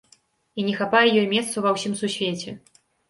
І не хапае ёй месцу ва ўсім Сусвеце.